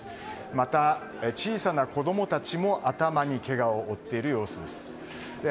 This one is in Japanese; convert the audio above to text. また小さな子供たちも頭にけがを負っているようです。